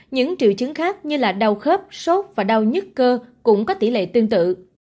những triệu chứng khác như là đau khớp sốt và đau nhứt cơ cũng có tỷ lệ tương tự